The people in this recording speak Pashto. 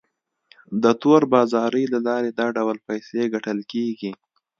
د تور بازارۍ له لارې دا ډول پیسې ګټل کیږي.